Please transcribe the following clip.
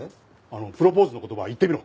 プロポーズの言葉言ってみろ。